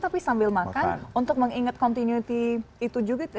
tapi sambil makan untuk mengingat continuity itu juga